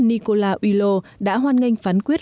nicolas huyllo đã hoan nghênh phán quyết